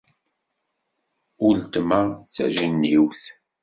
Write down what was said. Uletma d tajenniwt!